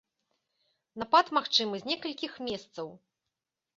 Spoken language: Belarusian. Напад магчымы з некалькіх месцаў.